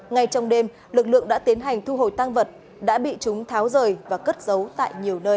ngay trong đêm lực lượng đã tiến hành thu hồi tăng vật đã bị chúng tháo rời và cất giấu tại nhiều nơi